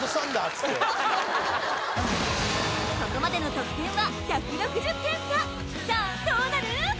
つってここまでの得点は１６０点差さあどうなる？